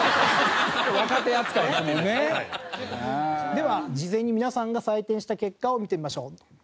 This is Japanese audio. では事前に皆さんが採点した結果を見てみましょう。